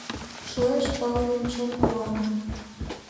Шуэш палымем чон куаным